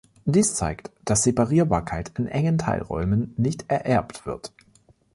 Dies zeigt, dass Separierbarkeit in engen Teilräumen nicht ererbt wird.